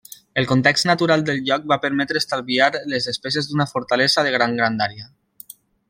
El context natural del lloc va permetre estalviar les despeses d'una fortalesa de gran grandària.